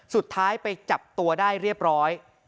สุดท้ายไปจับตัวได้เรียบร้อย